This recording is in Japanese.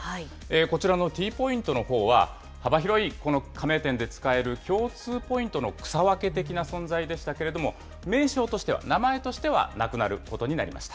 こちらのＴポイントのほうは、幅広い加盟店で使える共通ポイントの草分け的な存在でしたけれども、名称としては、名前としてはなくなることになりました。